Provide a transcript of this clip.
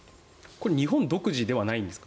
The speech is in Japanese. これ日本独自ではないんですか？